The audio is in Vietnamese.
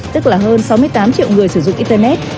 tức là hơn sáu mươi tám triệu người sử dụng internet